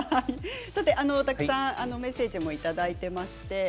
たくさんメッセージもいただいています。